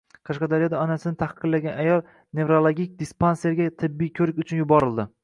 Qashqadaryoda onasini tahqirlangan ayol nevrologik dispanserga tibbiy ko‘rik uchun yuborildi